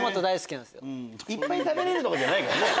いっぱい食べれるとかじゃないからね。